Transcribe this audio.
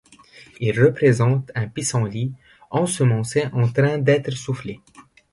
Il représente un pissenlit ensemencé en train d'être soufflé.